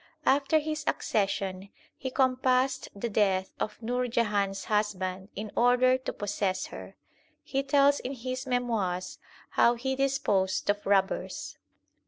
After his accession he compassed the death of Nur Jahan s husband in order to possess her. He tells in his Memoirs how he disposed of robbers.